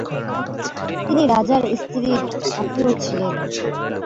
তিনি রাজার স্ত্রীর আত্মীয় ছিলেন।